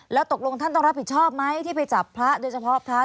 แล้วตกลงท่านต้องรับผิดชอบไหมที่ไปจับพระโดยเฉพาะพระ